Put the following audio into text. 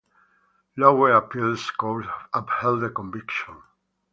Lower appeals courts upheld the conviction.